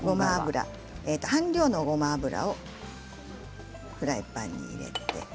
半量のごま油をフライパンに入れて。